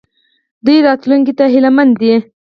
دوی راتلونکي ته هیله مند دي.